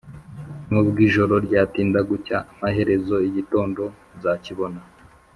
nubwijoro ryatinda gucya amaherezo igitondo nzakibona